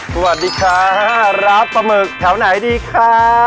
สวัสดีค่ะร้านปลาหมึกแถวไหนดีคะ